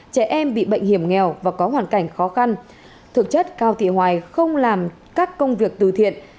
trẻ em bị bệnh hiểm nghèo và có hoàn cảnh khó khăn thực chất cao thị hoài không làm các công việc từ thiện